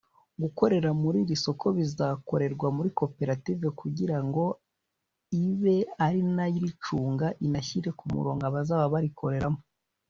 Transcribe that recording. Gukorera muri iri soko bizakorerwa muri koperative kugira ngo ibe ari nayo iricunga inashyire ku murongo abazaba barikoreramo